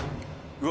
うわ！